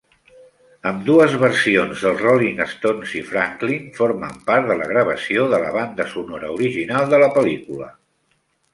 Ambdues versions dels Rolling Stones i Franklin formen part de la gravació de la banda sonora original de la pel·lícula.